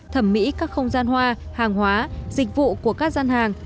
thẩm mỹ các không gian hoa hàng hóa dịch vụ của các gian hàng